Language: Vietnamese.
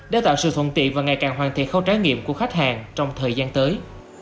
để tạo sự thuận tiện và ngày càng hoàn thiện khâu trái nghiệm của khách hàng trong thời gian tới